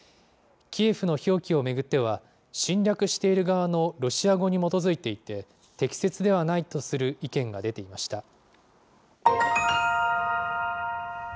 キエフの表記を巡っては、侵略している側のロシア語に基づいていて、適切ではないとする意見が出ていました。